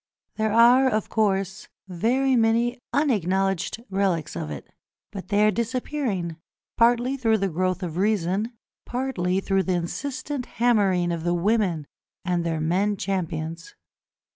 There are, of course, very many unacknowledged relics of it, but they are disappearing, partly through the growth of reason, partly through the insistent hammering of the women and their men champions.